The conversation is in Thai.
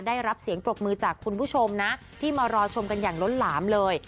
ได้รับเสียงปรบมือจากคุณผู้ชมนะที่มารอชมกันอย่างล้นหลามเลย